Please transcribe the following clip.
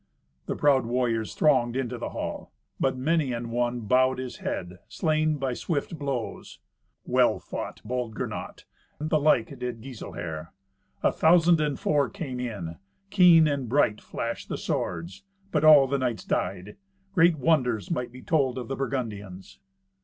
The proud warriors thronged into the hall, but many an one bowed his head, slain by swift blows. Well fought bold Gernot; the like did Giselher. A thousand and four came in. Keen and bright flashed the swords; but all the knights died. Great wonders might be told of the Burgundians.